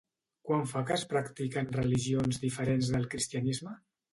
Quant fa que es practiquen religions diferents del cristianisme.